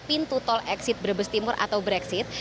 pintu tol exit brebes timur atau brexit